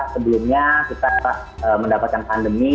sebelumnya kita mendapatkan pandemi